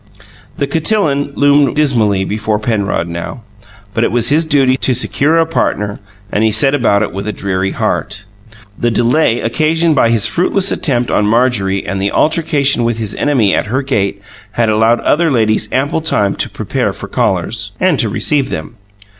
The cotillon loomed dismally before Penrod now; but it was his duty to secure a partner and he set about it with a dreary heart. The delay occasioned by his fruitless attempt on Marjorie and the altercation with his enemy at her gate had allowed other ladies ample time to prepare for callers and to receive them.